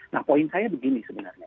nah poin saya begini sebenarnya